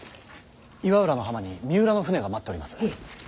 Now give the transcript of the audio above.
岩浦の浜に三浦の舟が待っております。